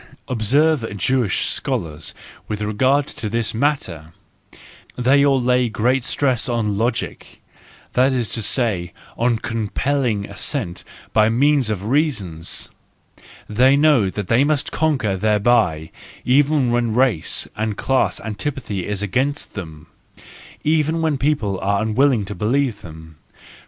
Observe Jewish scholars with regard to this matter,—they all lay great stress on logic, that is to say, on compelling assent by means of reasons ; they know that they must conquer thereby, even when race and class antipathy is against them, even where people are unwilling to believe them.